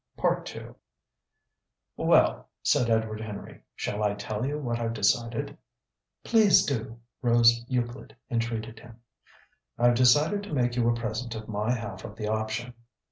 II. "Well," said Edward Henry, "shall I tell you what I've decided?" "Please do!" Rose Euclid entreated him. "I've decided to make you a present of my half of the option."